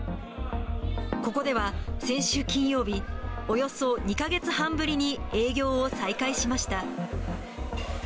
ここでは先週金曜日、およそ２か月半ぶりに営業を再開しました。